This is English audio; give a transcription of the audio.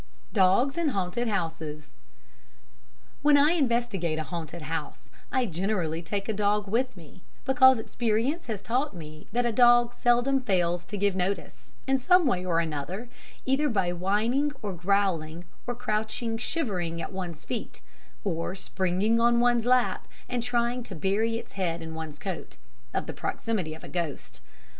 Dogs in Haunted Houses When I investigate a haunted house, I generally take a dog with me, because experience has taught me that a dog seldom fails to give notice, in some way or another either by whining, or growling, or crouching shivering at one's feet, or springing on one's lap and trying to bury its head in one's coat of the proximity of a ghost.